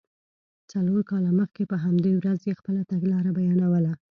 څلور کاله مخکې په همدې ورځ یې خپله تګلاره بیانوله.